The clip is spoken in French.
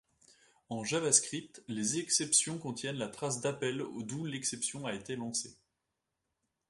En JavaScript, les exceptions contiennent la trace d'appels d'où l'exception a été lancée.